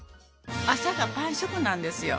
朝がパン食なんですよ。